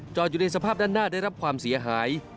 อยู่ในสภาพด้านหน้าได้รับความเสียหาย